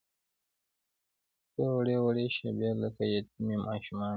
څووړې، وړې شیبې لکه یتیمې ماشومانې